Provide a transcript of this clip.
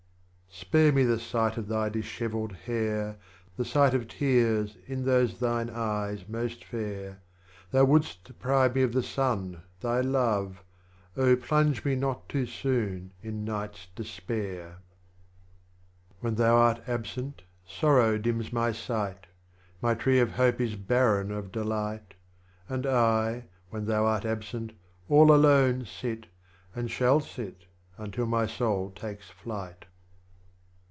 Spare me the sight of thy Dishevelled Hair, The sight of Tears in those thine Eyes most fair, Thou would'st deprive me of the Sun, thy Love, Oh, plunge me not too soon in Night's Despair. 8 THE LAMENT OF 28. When thou art absent Sorrow dims my sight, My Tree of Hope is barren of Delight, And I, when thou art al^sent, all alone Sit, and shall sit until my Soul takes flight.